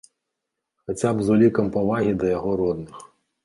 Хаця б з улікам павагі да яго родных.